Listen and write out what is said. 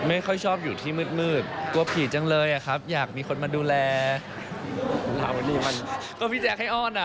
อ้าวเหรออ้อนได้แค่นี้เหรอฮะ